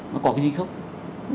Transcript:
nó có cái gì không